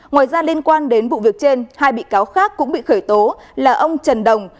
ngoài ra liên quan đến vụ việc trên hai bị cáo khác cũng bị khởi tố là ông trần đồng